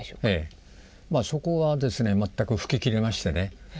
そこはですね全く吹き切れましてね。